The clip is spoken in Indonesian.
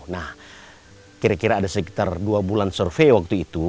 nah kira kira ada sekitar dua bulan survei waktu itu